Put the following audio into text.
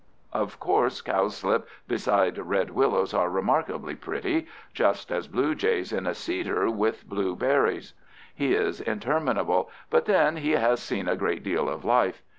Of course cowslips beside red willows are remarkably pretty, just as blue jays in a cedar with blue berries.... He is interminable, but then he has seen a great deal of life.